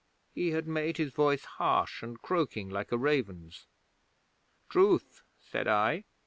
He had made his voice harsh and croaking, like a raven's. '"Truth," said I.